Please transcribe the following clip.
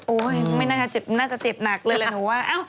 โอ้ยน่าจะเจ็บหนักเลยหนูว่า